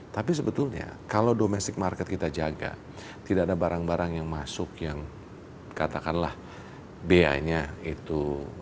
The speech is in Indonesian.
tapi sebetulnya kalau domestic market kita jaga tidak ada barang barang yang masuk yang katakanlah ba nya itu